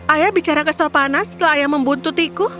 ayah bicara kesopanan setelah ayah membuntutiku